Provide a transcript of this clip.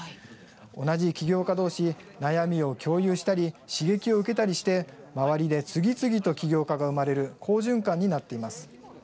同じ起業家同士、悩みを共有したり刺激を受けたりして周りで次々と起業家が生まれる好循環になっています。